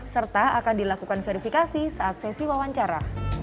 serta akan dilakukan verifikasi saat sesi wawancara